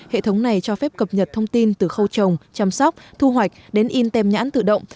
hệ thống này cho phép cập nhật thông tin từ khâu trồng chăm sóc thu hoạch đến in tem nhãn tự động